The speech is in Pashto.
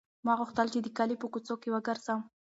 ما غوښتل چې د کلي په کوڅو کې وګرځم.